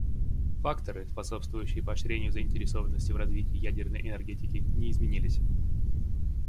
Факторы, способствующие поощрению заинтересованности в развитии ядерной энергетики, не изменились.